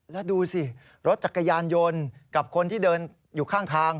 แล้วดูสิรถจักรยานยนต์กับคนที่เดินอยู่ข้างทาง